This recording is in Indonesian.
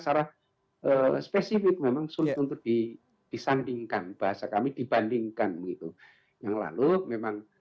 secara spesifik memang sulit untuk di disandingkan bahasa kami dibandingkan gitu yang lalu memang